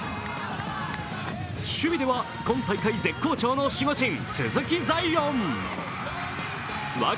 守備では今大会絶好調の守護神・鈴木彩艶。